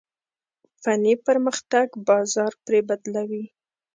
فني پرمختګ بازار پرې بدلوي.